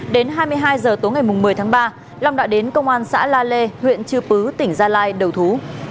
đến hai mươi hai h tối ngày một mươi tháng ba long đã đến công an xã la lê huyện chư pứ tỉnh gia lai đầu thú